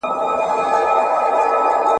وراره يې مجسمه وليده.